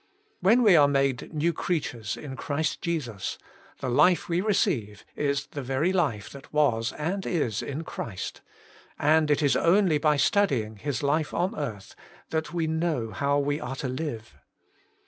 When we are made new creatures in Christ Jesus, the life we receive is the very life that was and is in Christ, and it is only by studying His life on earth that we know how we are to live.